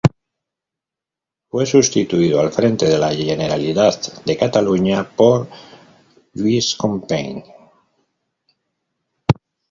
Fue sustituido al frente de la Generalidad de Cataluña por Lluís Companys.